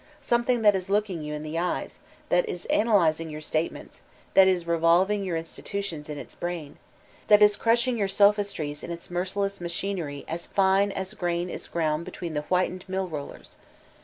Something that is loddng you in the eyes, that is analyzing your statements, that is revolving your in stitutions in its brain, that is crushing your sophistries in its merciless machinery as fine as grain b ground be tween the whitened mill rollers.